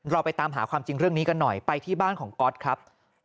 เราไปตามหาความจริงเรื่องนี้กันหน่อยไปที่บ้านของก๊อตครับ